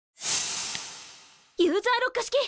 ユーザーロック式！